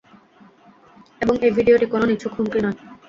এবং এই ভিডিওটি কোনো নিছক হুমকি নয়।